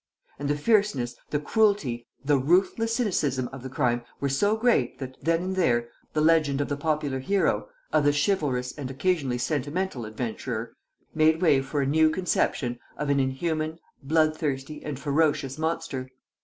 And the fierceness, the cruelty, the ruthless cynicism of the crime were so great that, then and there, the legend of the popular hero, of the chivalrous and occasionally sentimental adventurer, made way for a new conception of an inhuman, bloodthirsty, and ferocious monster.